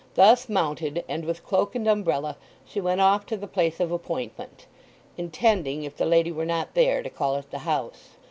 Thus mounted, and with cloak and umbrella, she went off to the place of appointment—intending, if the lady were not there, to call at the house.